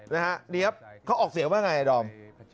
เนี๊ยบเขาออกเสียว่าอย่างไรอาดอม